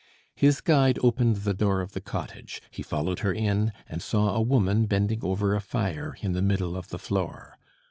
His guide opened the door of the cottage; he followed her in, and saw a woman bending over a fire in the middle of the floor.